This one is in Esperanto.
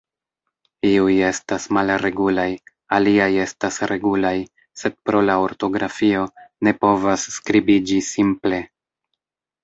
Iuj estas malregulaj; aliaj estas regulaj, sed pro la ortografio, ne povas skribiĝi simple.